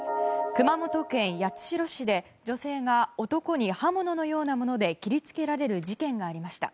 熊本県八代市で女性が男に刃物のようなもので切り付けられる事件がありました。